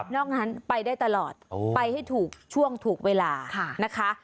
นอกนั้นไปได้ตลอดไปให้ถูกช่วงถูกเวลานะคะ